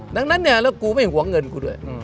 ดังนั้นเนี่ยแล้วกูไม่ห่วงเงินกูด้วย